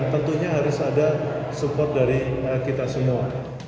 tentunya harus ada support dari kita semua